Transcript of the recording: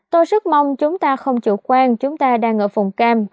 tôi rất mong chúng ta không chủ quan chúng ta đang ở phòng cam